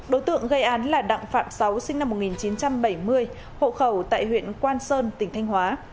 đối tượng gây án là đặng phạm sáu sinh năm một nghìn chín trăm bảy mươi hộ khẩu tại huyện quan sơn tỉnh thanh hóa